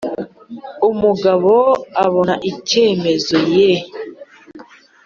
umugabo abona icyemezo ye !